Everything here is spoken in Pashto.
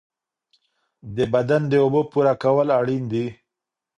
د بدن د اوبو پوره کول اړین دي.